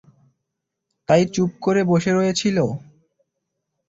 তাই চুপ করে বসে রয়েছিল?